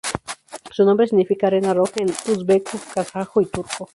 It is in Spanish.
Su nombre significa "arena roja" en uzbeko, kazajo y turco.